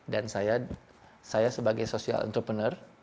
dan saya sebagai social entrepreneur